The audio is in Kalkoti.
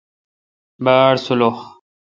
باڑسولح۔